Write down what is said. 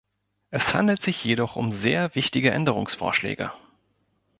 Es handelt sich jedoch um sehr wichtige Änderungsvorschläge.